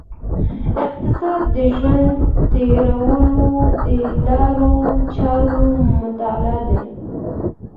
اقتصاد د ژوند تیرولو د لارو چارو مطالعه ده.